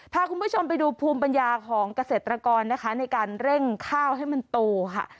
พาคุณผู้ชมไปดูภูมิปัญญาของเกษตรกรนะคะในการเร่งข้าวให้มันโตค่ะ